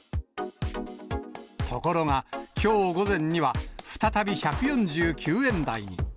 ところが、きょう午前には、再び１４９円台に。